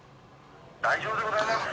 大丈夫でございます。